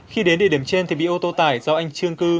khi đến địa điểm trên thì bị ô tô tải do anh trương cư